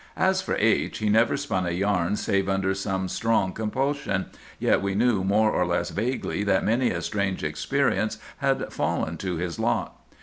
"As for H——, he never spun a yarn save under some strong compulsion, yet we knew more or less vaguely that many a strange experience had fallen to his lot.